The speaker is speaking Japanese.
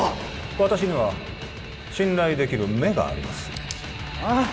私には信頼できる目がありますああ？